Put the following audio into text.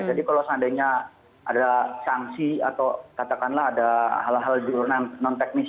jadi kalau seandainya ada sanksi atau katakanlah ada hal hal diurusan non teknis